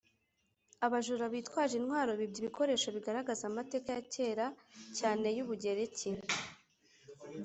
Abajura bitwaje intwaro bibye ibikoresho bigaragaza amateka ya kera cyane y’u Bugereki